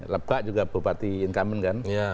lebak juga bupati incumbent kan